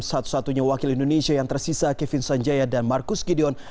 satu satunya wakil indonesia yang tersisa kevin sanjaya dan marcus gideon